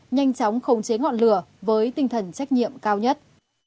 nhanh chóng khống chế ngọn lửa với tinh thần trách nhiệm cao nhất